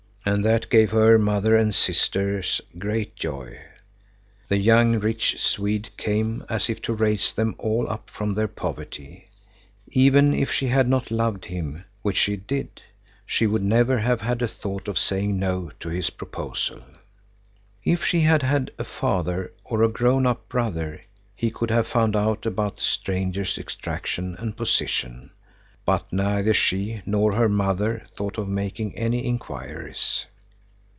And that gave her mother and sisters great joy. The young, rich Swede came as if to raise them all up from their poverty. Even if she had not loved him, which she did, she would never have had a thought of saying no to his proposal. If she had had a father or a grown up brother, he could have found out about the stranger's extraction and position, but neither she nor her mother thought of making any inquiries.